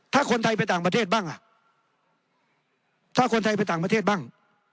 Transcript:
ถ้าคนไทยไปต่างประเทศบ้างอ่ะถ้าคนไทยไปต่างประเทศบ้าง